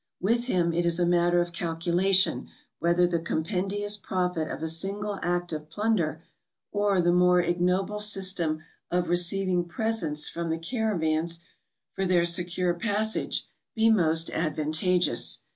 With him it is a matter of calculation whether the compendious profit of a single act of plunder, or the more ignoble system of receiving presents from the caravans for their secure passage, be most advantageous.